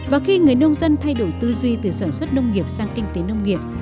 và khi người nông dân thay đổi tư duy từ sản xuất nông nghiệp sang kinh tế nông nghiệp